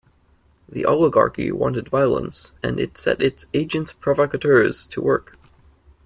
The Oligarchy wanted violence, and it set its agents provocateurs to work.